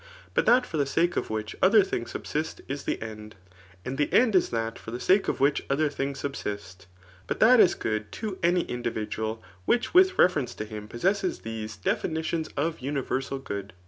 But that for the sake of which [other things subsist] is the end ; and the end is that for the sake of which other things subsist ; but that is good to any individual which with reference to him possesses these [definitions of universal good.